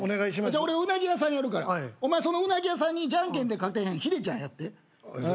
じゃ俺鰻屋さんやるからお前その鰻屋さんにじゃんけんで勝てへんヒデちゃんやって。